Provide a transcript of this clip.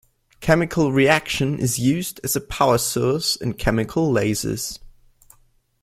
Chemical reaction is used as a power source in chemical lasers.